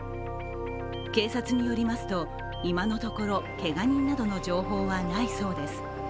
警察によりますと、今のところ、けが人などの情報はないそうです。